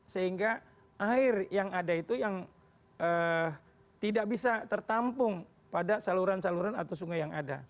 sehingga air yang ada itu yang tidak bisa tertampung pada saluran saluran atau sungai yang ada